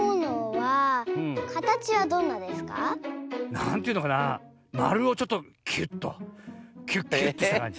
なんというのかなまるをちょっとキュッとキュッキュッとしたかんじ。